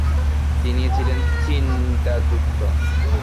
তিনি ছিলেন চিন্তাযুক্ত।